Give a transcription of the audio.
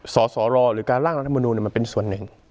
สสรหรือการร่างรัฐมนูลมันเป็นส่วนหนึ่ง